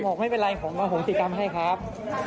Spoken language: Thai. บอกไม่เป็นไรผมอโหสิกรรมให้ครับ